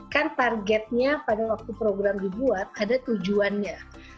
kan targetnya pada waktu program dibuat ada tujuannya